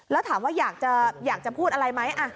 แล้วถามว่าอยากจะพูดอะไรไหม